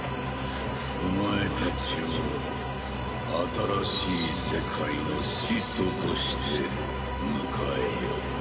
お前たちを新しい世界の始祖として迎えよう。